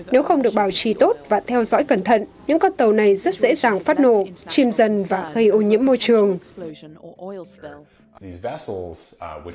nếu không được bảo trì tốt và theo dõi cẩn thận những con tàu này rất dễ dàng phát nổ chim dần và gây ô nhiễm môi trường